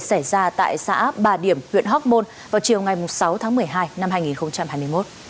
xảy ra tại xã bà điểm huyện hóc môn vào chiều ngày sáu tháng một mươi hai năm hai nghìn hai mươi một